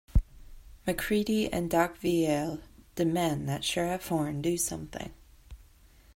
Macreedy and Doc Velie demand that Sheriff Horn do something.